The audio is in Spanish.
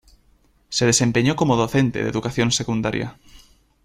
Se desempeñó como docente de educación secundaria.